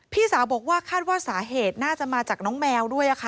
พี่สาวบอกว่าคาดว่าสาเหตุน่าจะมาจากน้องแมวด้วยค่ะ